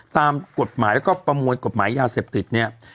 ตามกฎหมายแล้วก็ประมวลกฎหมายยาเสพติดเนี่ย